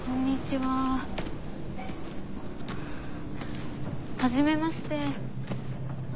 はじめまして。